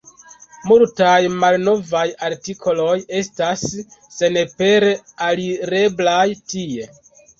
Multaj malnovaj artikoloj estas senpere alireblaj tie.